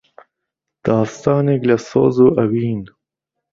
داستانێک لە سۆز و ئەوین